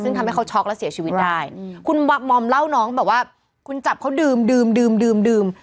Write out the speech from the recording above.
ซึ่งทำให้เขาช็อกและเสียชีวิตได้คุณมอมเล่าน้องบอกว่าคุณจับเขาดื่มดื่มดื่ม